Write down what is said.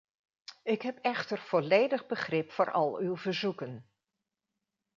Ik heb echter volledig begrip voor al uw verzoeken.